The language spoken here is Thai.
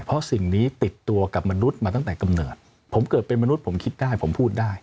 เพราะสิ่งนี้ติดตัวกับมนุษย์มาตั้งแต่กำเนิดผมเกิดเป็นมนุษย์ผมคิดได้ผมพูดได้